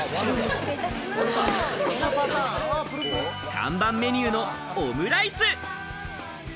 看板メニューのオムライス。